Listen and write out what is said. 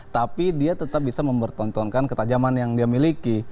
tapi dia tetap bisa mempertontonkan ketajaman yang dia miliki